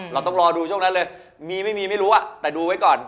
เราต้องรอดูช่วงนั้นเลยมีไม่มีไม่รู้แต่ดูไว้ก่อน